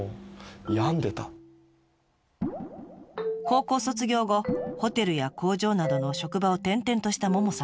高校卒業後ホテルや工場などの職場を転々としたももさん。